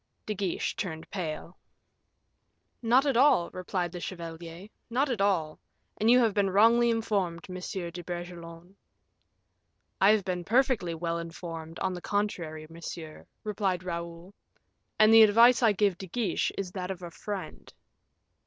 De Guiche turned pale. "Not at all," replied the chevalier, "not at all; and you have been wrongly informed, M. de Bragelonne." "I have been perfectly well informed, on the contrary, monsieur," replied Raoul, "and the advice I give De Guiche is that of a friend."